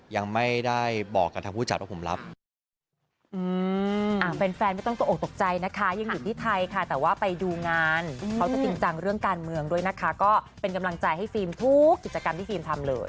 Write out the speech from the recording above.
ยังไม่ได้บอกกับทางผู้จัดว่าผมรับ